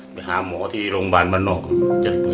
ไปหาหมอที่โรงพยาบาลบ้านนอก